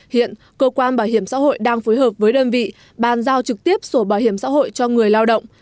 hiện cơ quan bảo hiểm xã hội đang phối hợp với đơn vị bàn giao trực tiếp sổ bảo hiểm xã hội cho người lao động